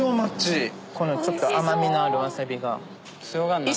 ちょっと甘味のあるわさびが。